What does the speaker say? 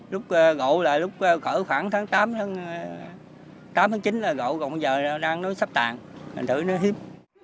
lúc gậu là khoảng tháng tám chín là gậu còn bây giờ đang sắp tàn mình thử nó hiếm